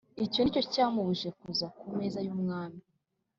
Icyo ni cyo cyamubujije kuza ku meza y’umwami.